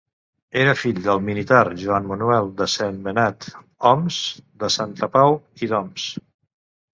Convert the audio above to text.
Era fill del militar Joan Manuel de Sentmenat-Oms de Santapau i d'Oms.